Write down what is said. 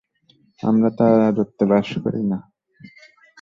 আমরা তার রাজত্বে বাস করি না।